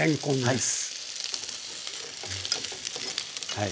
はい。